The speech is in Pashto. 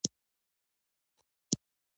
پخوا خلکو ویل چې پاچاهي متولیان لري.